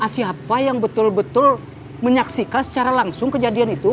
siapa yang betul betul menyaksikan secara langsung kejadian itu